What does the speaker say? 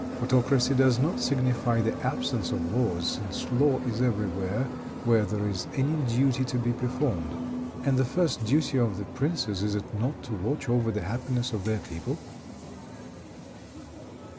Autocracy does not signify the absence of laws, since law is everywhere where there is any duty to be performed, and the first duty of princes, is it not to watch over the happiness of their people?"